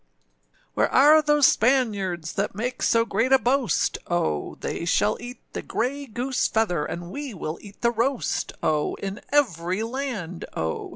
Where are those Spaniards That make so great a boast, O? They shall eat the grey goose feather, And we will eat the roast, O! In every land, O!